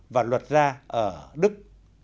và luật gia ở đức